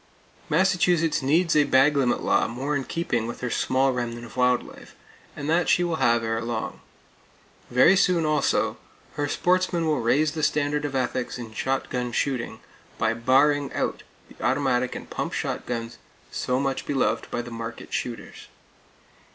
Massachusetts needs a bag limit law more in keeping with her small remnant of wild life; and that she will have ere long. Very soon, also, her sportsmen will raise the standard of ethics in shotgun shooting, by barring out the automatic and pump shotguns so much beloved by the market shooters.